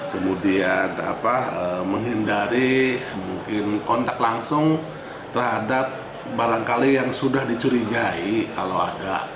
kemudian menghindari mungkin kontak langsung terhadap barangkali yang sudah dicurigai kalau ada